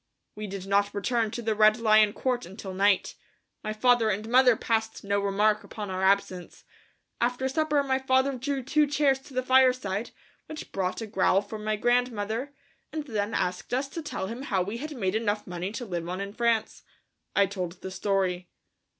We did not return to the Red Lion Court until night. My father and mother passed no remark upon our absence. After supper my father drew two chairs to the fireside, which brought a growl from my grandfather, and then asked us to tell him how we had made enough money to live on in France. I told the story.